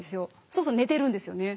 そうすると寝てるんですよね。